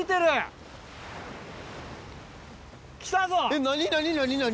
えっ何何何何？